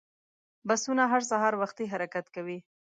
بسونه هر سهار وختي حرکت کوي.